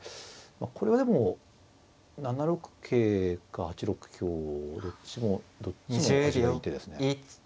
これはでも７六桂か８六香どっちも味がいい手ですね。